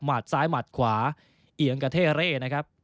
ซ้ายหมัดขวาเอียงกระเท่เร่นะครับ